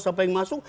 siapa yang masuk